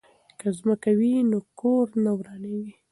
که ځمکه وي نو کور نه ورانیږي.